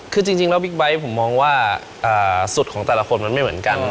คือจริงแล้วบิ๊กไบท์ผมมองว่าสุดของแต่ละคนมันไม่เหมือนกัน